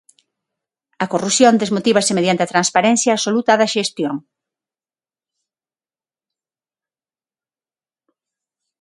A corrupción desmotívase mediante a transparencia absoluta da xestión.